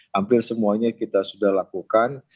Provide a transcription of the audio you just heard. hampir semuanya kita sudah lakukan